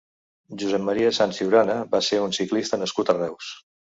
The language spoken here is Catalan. Josep Maria Sans Ciurana va ser un ciclista nascut a Reus.